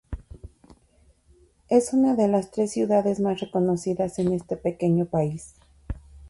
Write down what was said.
Es una de las tres ciudades más reconocidas en este pequeño país.